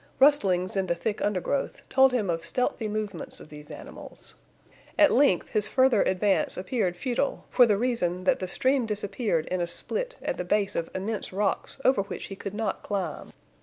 Rustlings in the thick undergrowth told him of stealthy movements of these animals. At length his further advance appeared futile, for the reason that the stream disappeared in a split at the base of immense rocks over which he could not climb.